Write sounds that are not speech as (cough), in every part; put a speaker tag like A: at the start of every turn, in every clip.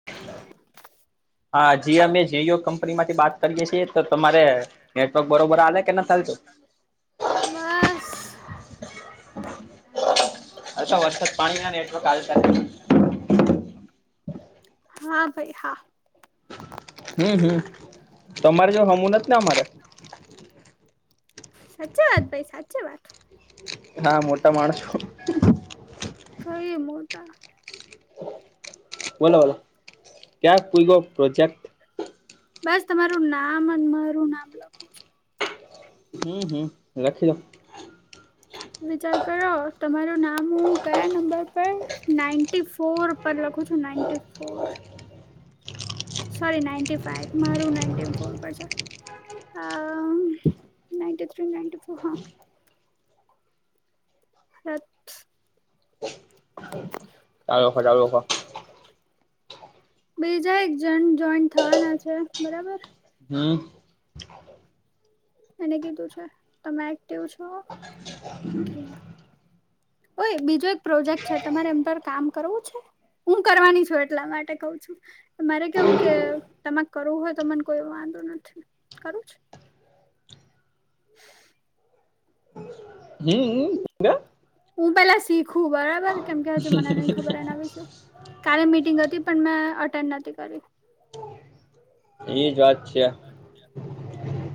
A: (inaudible)
B: હા જી અમે જી ઓ કંપની માંથી બાત કરીએ છીએ તો તમારે નેટવર્ક બરોબર હાલે (unintelligible)
A: બસ
B: અચ્છા વરસાદ પાણી ના નેટવર્ક હાલતા નહિ.
A: હા ભાઈ હા
B: હમ હમ તમારે જેવ હામુ નથી ને અમારે
A: સાચી વાત ભાઈ સાચી વાત
B: હા મોટા માણસો
A: કઈ મોટા
B: બોલો ક્યા પોયગો પ્રોજેક્ટ.
A: બસ તમારું નામ અને મારું નામ લાવ.
B: હમ હમ રાખી લાવ.
A: વિચાર કરો તમારું નામ હું કયા નંબર પર નાઈન્ટી ફોર પર લખું છુ ninety four sorry ninety five મારું નાઇન્ટી ફોર પરશેટ આ નાઇન્ટી થ્રી નાઇન્ટી ફોર હા. હા (inaudible)
B: ચાલોખો ચાલોખો.
A: બીજા એક જણ જોઈન્ટ થવાના છે બરાબર
B: હમ.
A: એને કીધું છે તમે એક્ટિવ છો કે હા. ઓય બીજો એક પ્રોજેક્ટ છે તમારે એમ પર કામ કરવું છે. હું કરવાની છું એટલા માટે કઉ છું. મારે કેવું કે તમારે કરવું હોય તો મને કોઈ વાંધો નથી કરું છે.
B: હમ હમ.
A: હું પેલા શીખું બરાબર કેમ કે હજુ મને નઈ ખબર એના વીશે. કાલે મિટિંગ હતી પણ મેં અટેન્ડ નથી કરી
B: ઈ જ વાત છે આ.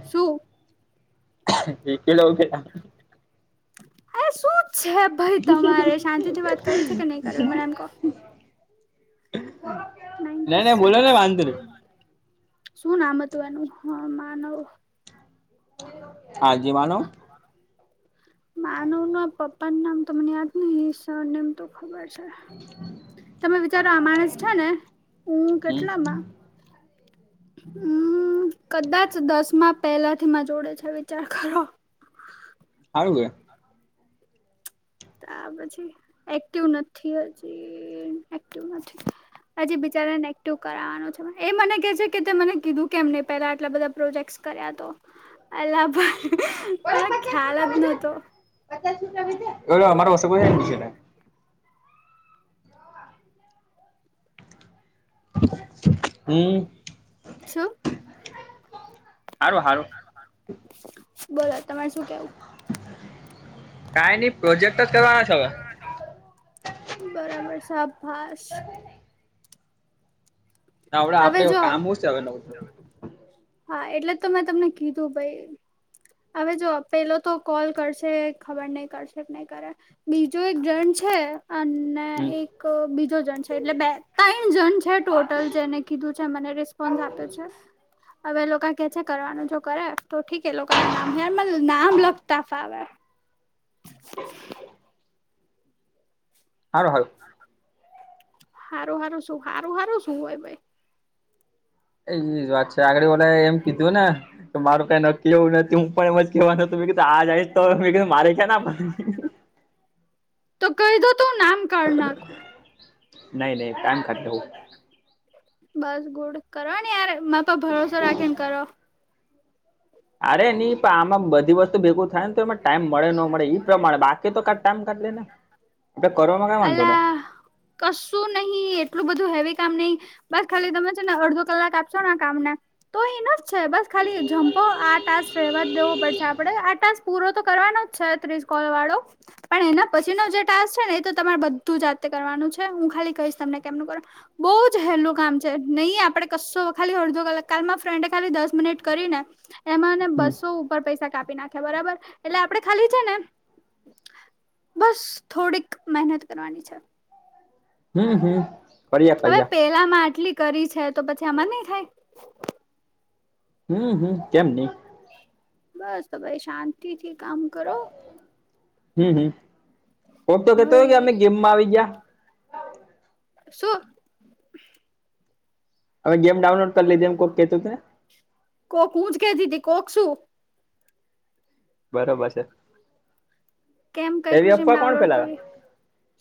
A: શું.
B: એકે કિલો આ.
A: હરે શું છે ભાઈ તમારે શાંતિ થી વાત કરવી છે કે નહી કરવી મને એમ કો.
B: બોલો. નઈ
A: નાઈટી
B: નઈ ને
A: સિક્સ
B: વાંધો નઈ
A: શું નામ હતું એનું હ માનવ
B: આદીમાનવ.
A: માનવ નુ પપ્પા નામ તો મને યાદ નહિ ઈશ સરનેમ તો ખબર તમે વિચારો આ માણસ છે ને હું
B: હમ
A: કેટલા માં હમ કદાચ દસમાં પહેલા થી માર જોડે છે વિચાર કરો
B: આવી (inaudible)
A: તા પછી એક્ટિવ નથી હજી એક્ટિવ નથી. હજી બિચારા ને એકટિવ કરાવવાનું છે એ મને કે છે કે મને કીધું કેમ ન પેલા આટલા બધા પ્રોજેક્ટશ કર્યા તો અલ્લાભાઈ પેલા ખ્યાલ જ નોતો.
B: અમારા પાસે કોઈ છેને હમ.
A: છું
B: હારુ હારુ.
A: બોલો તમારે શું કેવું.
B: કાઈ નઈ પ્રોજેક્ટ જ કરવાના છે હવે.
A: બરાબર શાભાસ.
B: તાવડા
A: હવે
B: આપડે
A: જો
B: કામ હું છે હવે નઉ.
A: હા એટલે તો મેં તમને કીધું ભાઈ. હવે જો પેલો તો કોલ કરશે ખબર નહી કરશે નહી કરે. બીજો એક જણ છે અને
B: હમ.
A: એક બીજો જણ છે એટલે બેતા જણ છે ટોટલ જેને કીધું છે મને રિસ્પોન્સ આપ્યો છે. હવે લોકો કે છે કરવાનું જો કરે તો ઠીક એ લોકો ના નામ યારમાં નામ લફતા ફાવે
B: (inaudible) હાલો હાલો.
A: સારું હારું શું સારું સારું શું હોય ભાઈ.
B: એ એજ વાત છે આગળ ઓલા એમ કીધું ને કે મારું કઈ નક્કી એવું નથી હું પણ એ કેવાનું (unintelligible) કીધું આ જઈશ તો કધું મારે છે ને
A: તો કહી દો તો નામ કાઢ નાખું
B: નહી નહી ટાઈમ કા દો (unintelligible)
A: બસ ગુડ કરો ને યાર માપ (unintelligible) ભરોસો રાખી ને કરો.
B: અરે ની પણ આમાં બધી વસ્તુ ભેગું થાય ને તો એમાં ટાઈમ મળે ન મળે ઈ પ્રમાણે બાકી તો કા ટાઈમ કાઢ લે ને એ કરવામાં કઈ વાંધો ને
A: અલા કશું નહિ એટલું બધું હેવી કામ નહી બસ ખાલી તમે છે ને અડધો કલાક આપશો ને આ કામ ને તો એનો જ છે બસ ખાલી જમ્પો આ ટાસ્ક રહેવા દેવો પડશે આપડે આ ટાસ્ક પૂરો તો કરવાનો જ છે ત્રીસ કોલ વાળો. પણ એના પછીનો જે ટાસ્ક છે ને એ તો તમારે બધું જાતે કરવાનું છે હું ખાલી કહીશ તમને કેમનું કરવા. બહ જ હેલુ કામ છે નહી આપડે કશો ખાલી અડધો કલાક કાલમાં ફ્રેન્ડ ખાલી દસ મિનિટ કરી ને. એમાંને
B: હમ
A: બસો ઉપર પૈસા કાપી નાખ્યા બરાબર એટલે આપડે ખાલી છે ને બસ થોડીક મહેનત કરવાની છે.
B: હમ હમ. કર્યા
A: હવે
B: કર્યા
A: પેલામાં આટલી કરી છે તો પછી આમાં નઈ થાય.
B: હમ હમ કેમ નહી.
A: બસ તો ભાઈ શાંતિથી કામ કરો.
B: હમ હમ ઓ તો કેતો કે અમે
A: ભાઈ
B: ગેમમાં આવી ગયા.
A: શું.
B: હવે ગેમ ડાઉનલોડ કરી લીધ એમ કોઈ કતુંને.
A: કોક હું જ કેદીથી કોક શું.
B: બરોબર છે.
A: કેમ કઈ
B: એવી
A: ખુશીમાં
B: અફવા કોણ
A: ડાઉનલોડ
B: ફેલાવે
A: કરી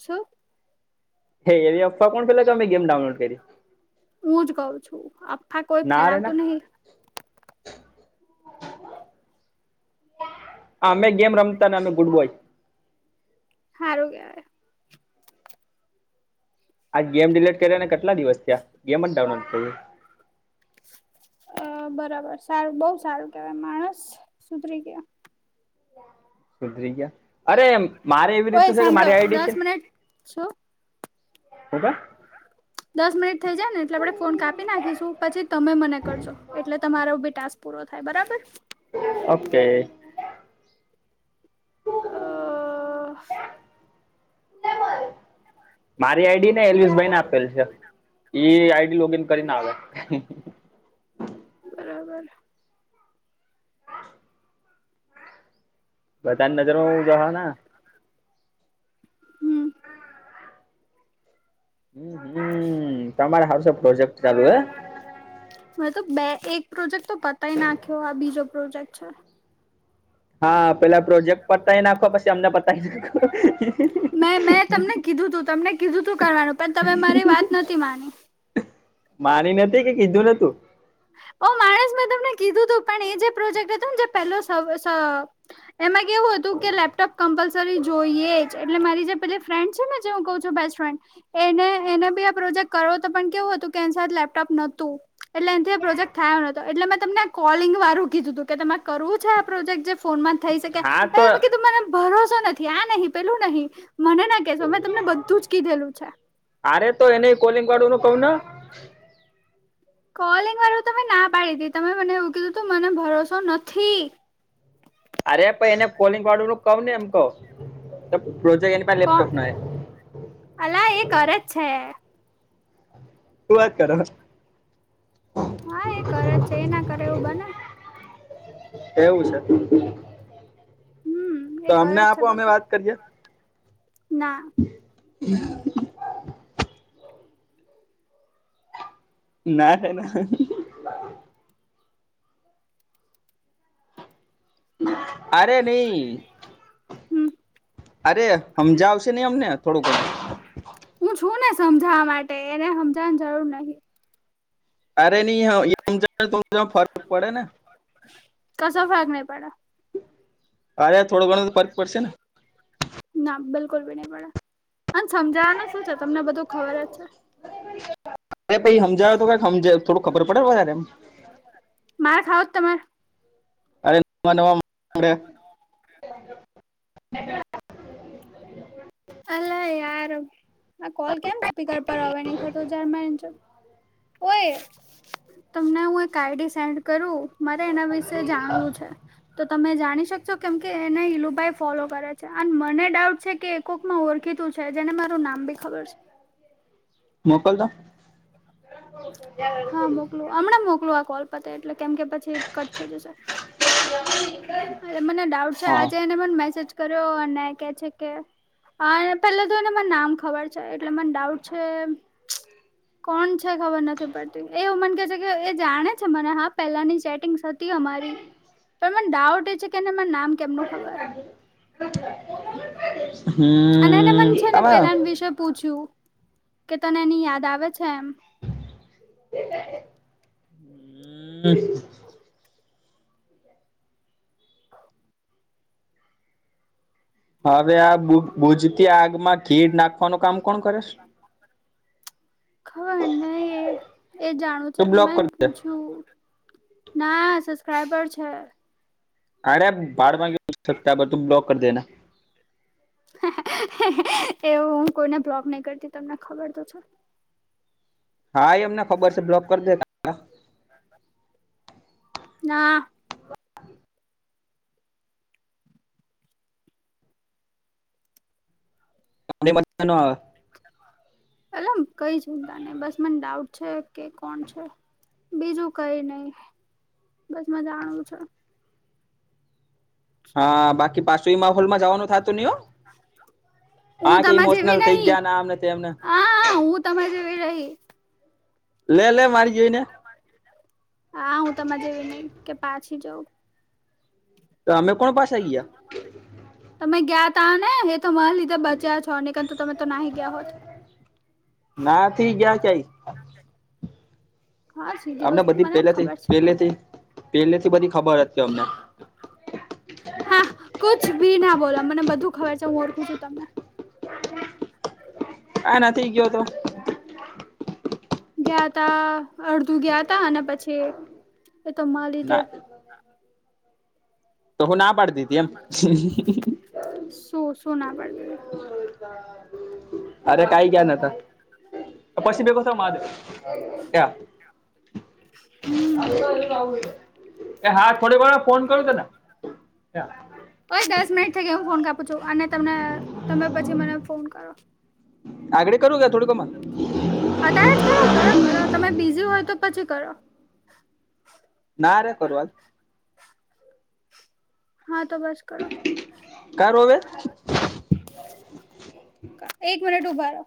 A: શું.
B: હે એવી અફવા કોણ પેલા કે અમે ગેમ ડાઉનલોડ કરી
A: હું જ કઉ છું અફાવા કોઈ
B: ના રે ના
A: ફેલાવતું નહી.
B: આમે ગેમ રમતાને અમે ગુડ બોય.
A: સારું કહેવાય.
B: આ ગેમ ડિલીટ કરે ને કેટલા દિવસ થયા ગેમ જ ડાઉનલોડ થયું.
A: અ બરાબર સારું બહ સારું કેવાય માણસ સુધરી ગયા.
B: સુધરી ગયા અરે મારે એવી રીત
A: ઓય
B: છે કે
A: સાંભળો
B: મારી આઈડી
A: દસ
B: છે.
A: મિનિટ શું
B: હું કે.
A: દસ મિનિટ થઈ જાય ને એટલે આપણે ફોન કાપી નાખીશું પછી તમે મને કરજો એટલે તમારો ભી ટાસ્ક પૂરો થાય બરાબર
B: ઓકે.
A: અ
B: મારી આઈડીને એલ્વીસ ભાઈને આપેલ છે. ઈ આઈડી લોગિન કરીને આવે.
A: બરાબર.
B: હ (unintelligible) બધા નજરો હું જોહા ના
A: હમ.
B: હમ હમ તમારે હાંરું છે પ્રોજેક્ટ ચાલુ હે
A: મેં તો બે એક પ્રોજેક્ટ તો પતાય નાખ્યો આ બીજો પ્રોજેક્ટ છે
B: હા પેલા પ્રોજેક્ટ પતાય નાખો પછી અમને પતાય નાખો
A: મેં મેં તમને કીધું તું તમને કીધું તું કરવાનું પણ તમે મારી વાત નથી માની
B: માની નથી કે કીધું નતું
A: ઓ માણસ મેં તમને કીધું તું પણ એ જે પ્રોજેક્ટ હતો ને જે પેલો શ સ એમાં કેવું હતું કે લેપટોપ કમ્પલસરી જોઈએ એટલે મારી જે પેલી ફ્રેન્ડ છે ને જે હું કઉ છું બેસ્ટ ફ્રેન્ડ એને એને બી આ પ્રોજેક્ટ કરવો તો પણ કેવું હતું કે એની સાથે લેપટોપ નોતું એટલે એનથી પ્રોજેક્ટ થાયો નોતો એટલેં તમને આ કોલિંગ વારું કીધું હતું કે તમારે કરવું છે આ પ્રોજેક્ટ જે ફોનમાં થઈ શકે
B: હા તો
A: કીધું મને ભરોસો નથી આ નહીં પેલું નહીં મને ના (unintelligible) તમને બધું જ કીધેલું છે
B: અરે તો એને કોલિંગ વાડું નું કઉ ન
A: કોલિંગ વારૂ તમે ના પાડી તી તમે મને એવું કીધું તું મને ભરોસો નથી
B: અરે પન એને કોલિંગ વાળું નું કવ ને એમ કવ પ્રોજેક્ટ પાસે
A: કો
B: લેપટોપ ના
A: અલા એ કરે જ છે
B: હું વાત કરહ
A: હા એ કરે છે એ ના કરે એવું બને
B: કેવું છે
A: હમ
B: તો
A: એ
B: અમને
A: કરે જ છે
B: આપો અમે
A: બકા
B: વાત કરીએ
A: ના
B: (unintelligible) ના ના અરે નઈ
A: હમ
B: અરે હમજાવશે ની અમને થોડુંક
A: હું છું ને સમજાવા માટે એને સમજાવાની જરૂર નહી
B: (unintelligible) પડે ને
A: કશો ફરક નહી પડે
B: અરે થોડો ઘણો તો ફર્ક પડશે ને
A: ના બિલકુલ ભી ની પડે અને સમજાવાનું શું છે તમને બધું ખબર જ છે
B: અરે પહી હમજાવા તો કંઈક હમજે થોડું ખબર પડે તવધારે એમ
A: માર ખાવું તમે
B: (unintelligible)
A: અલે યાર આ કોલ કેમ સ્પીકર પર હવે ની થતો (unintelligible) ઓય તમને હું એક આઈડી સેન્ડ કરું મારે એના વિશે જાણવું છે તો તમે જાણી શકશો કેમ કે એને હિલુભાઈ ફોલો કરે છે અને મને ડાઉટ છે કે કોક માં ઓળખીતું છે જેને મારું નામ બી ખબર છે
B: મોકલ તો
A: હા મોકલું અમણાં મોકલું આ કોલ પતે એટલે કેમ કે પછી કટ થઇ જશે મને ડાઉટ છે
B: હા
A: આજે એને મન મેસેજ કરો અને કે છે કે આ પેલો તો એને મને નામ ખબર છે એટલે મને ડાઉટ છે કોણ છે ખબર નથી પડ એવું મને કે છે કે એ જાણે છે મને હા પેલાની ચેટિંગ હતી અમારી તો મન ડાઉટ એ છે કે એ નામ કેમનું ખબર
B: હમ
A: અને એને મને છે ને
B: આમાં
A: પેલા વિશે પૂછ્યું કે તને એની યાદ આવે છે એમ
B: (unintelligible) હમ હવે આ ભુજતી આગમાં ખીડ નાખવાનું કામ કોણ કરે છે
A: ખબર નઈ એ જાણવું છે
B: તું બ્લોક
A: મેંને
B: કરી દે
A: પૂછું. ના સબસ્ક્રાઈબર છે.
B: અરે ભાડમા ગયું સબસ્ક્રાઇબર તું બ્લોક કર દે એને.
A: એવું હું કોઈને બ્લોગ નહી કરતી તમને ખબર તો છે.
B: હા એ એમને ખબર છે બ્લોક કરી દે.
A: ના.
B: (inaudible) અને મઝા નો આવે.
A: એટલે એમ કઈ ચિંતા નહી બસ મને ડાઉટ છે. કે કોણ છે બીજું કઈ નહી બસમાં જાણવું છે.
B: હા બાકી પા ફ્રીમા હોલમાં જવાનું થતું ની હો કે આ ઈમોશનલ થઈ ગયા આમને તેમને.
A: હા-હા હું તમારી જેવી રહી.
B: લે-લે મારી જોઈ
A: હા હું તમારે જેવી નહી કે પાછી જઉ.
B: તો અમે કોણ પાછા ગ્યા.
A: તમે ગીયા તા ને એ તો માર લીધે બચ્યા છો નીકર તો તમે તો નાહી ગયા હોત.
B: ના થી ગીયા કઈ.
A: હા સીધી
B: અમને
A: વસ્તુ
B: બધી
A: મને
B: પેલેથી
A: ખબર છે
B: પહેલેથી પહેલેથી બધી ખબર હતી અમને.
A: હા કુછ ભી ના બોલો મને બધું ખબર છે હું ઓળખું છું તમને.
B: આઈ થઈ ગીયો તો.
A: ગીયા તા અડધું ગીયા તા અને પછી એ તો માર લીધે.
B: ના તો હું ના પાડ દેતી એમ.
A: શું-શું ના પાડી દીધી.
B: અરે કાંઈ ગીયા નતા. તો પછી બે ગુંઠા મારી ક્યાં.
A: હમ
B: (unintelligible) એ હા થોડી વારે ફોન કરું તને.
A: ઓય દસ મિનિટ થઇ ગઈ હું ફોન કાપું છું અને તને તમે પછી મને ફોન કરો.
B: આગડી કરુ કે થોડીક વારમાં.
A: અ ત્યારે જ કરો કરો કરો તમે બીઝી હોય તો પછી કરો.
B: ના રે કરવાવા
A: હા તો બસ. કરો
B: કરું હવે.
A: એક મિનિટ ઉભારો.